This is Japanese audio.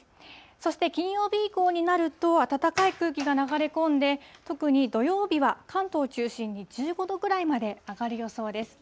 そして金曜日以降になると、暖かい空気が流れ込んで、特に土曜日は関東を中心に１５度ぐらいまで上がる予想です。